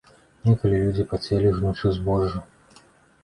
Некалі людзі пацелі, жнучы збожжа.